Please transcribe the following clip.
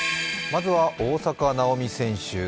まずは大坂なおみ選手。